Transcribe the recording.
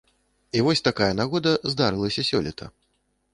І вось такая нагода здарылася сёлета.